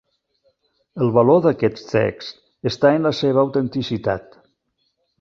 El valor d'aquest text està en la seva autenticitat.